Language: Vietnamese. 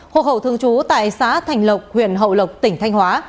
hộ hậu thường trú tại xã thành lộc huyện hậu lộc tỉnh thanh hóa